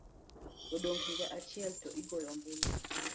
Odong' higa achiel to igoyo ombulu.